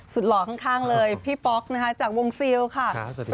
สุดหล่อข้างเลยพี่ป๊อกนะคะจากวงซิลค่ะสวัสดีครับ